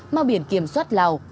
mau biển kiểm soát lào